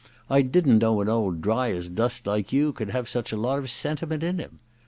I didn't know an old Dryasdust like you could have such a lot of sentiment in him.